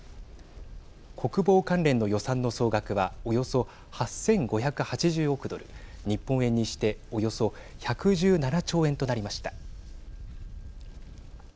国防関連の予算の総額はおよそ８５８０億ドル日本円にしておよそ１１７兆円となりました。